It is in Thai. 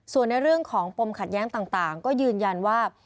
ส่วนในเรื่องของปมขัดแย้งต่างก็ยืนยันว่า